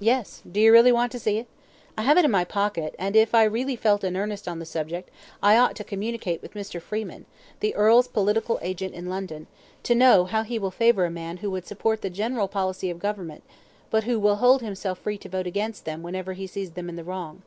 "Yes; do you really want to see it? I have it in my pocket, and if I really felt in earnest on the subject, I ought to communicate with Mr. Freeman, the earl's political agent in London, to know how he will favour a man who would support the general policy of Government, but who will hold himself free to vote against them whenever he sees them in the wrong.